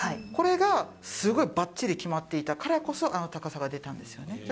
これがすごいばっちり決まっていたからこそ、あの高さが出たんですよね。